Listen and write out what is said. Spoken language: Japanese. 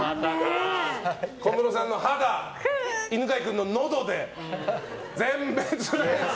小室さんの肌、犬飼君ののどで全滅。